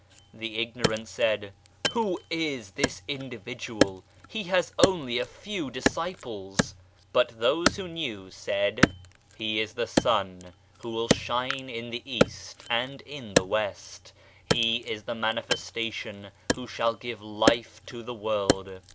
The ignorant said, " Who is this individual ; He has only a few disciples !" But those who knew said :" He is the Sun who will shine in the East and in the West, He is the Manifestation who shall give Life to the World."